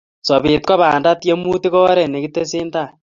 Sopet ko panda, tiemutik ko oret ne kitese tai